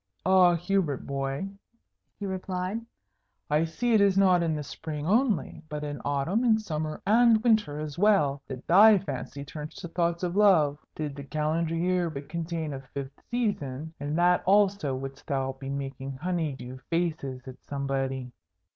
"Ah, Hubert boy," he replied, "I see it is not in the Spring only, but in Autumn and Summer and Winter as well, that thy fancy turns to thoughts of love. Did the calendar year but contain a fifth season, in that also wouldst thou be making honey dew faces at somebody."